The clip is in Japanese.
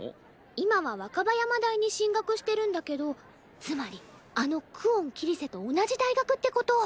今は若葉山大に進学してるんだけどつまりあの久遠桐聖と同じ大学ってこと。